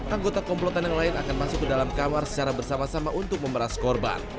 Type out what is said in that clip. anggota komplotan yang lain akan masuk ke dalam kamar secara bersama sama untuk memeras korban